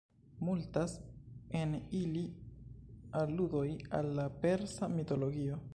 Multas en ili aludoj al la persa mitologio.